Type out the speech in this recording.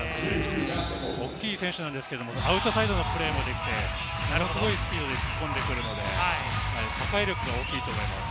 大きい選手なんですけれども、アウトサイドのプレーもできて、ものすごいスピードで突っ込んでくるので破壊力が大きいと思います。